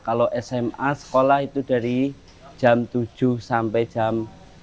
kalau sma sekolah itu dari jam tujuh sampai jam